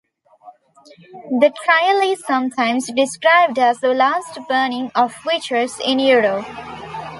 The trial is sometimes described as the last burning of witches in Europe.